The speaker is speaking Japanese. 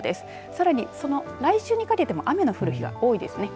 さらに来週にかけても雨の降る日が多いですね。